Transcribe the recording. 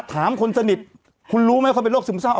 คนสนิทคุณรู้ไหมเขาเป็นโรคซึมเศร้า